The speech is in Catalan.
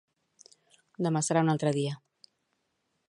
Demà serà un altre dia